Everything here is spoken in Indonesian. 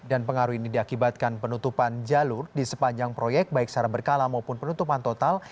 dan pengaruh ini diakibatkan penutupan jalur di sepanjang proyek baik secara berkala maupun penutupan total